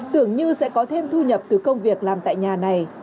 tưởng như sẽ có thêm thu nhập từ công việc làm tại nhà này